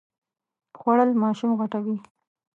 خوړل ماشوم غټوي